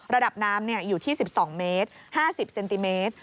ระดับน้ำอยู่ที่๑๒เมตร๕๐เซนติเมตร